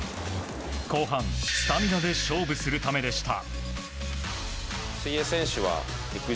後半、スタミナで勝負するためでした。